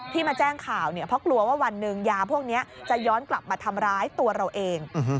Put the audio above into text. มาแจ้งข่าวเนี่ยเพราะกลัวว่าวันหนึ่งยาพวกนี้จะย้อนกลับมาทำร้ายตัวเราเอง